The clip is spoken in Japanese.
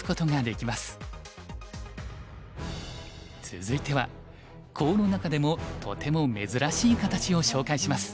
続いてはコウの中でもとても珍しい形を紹介します。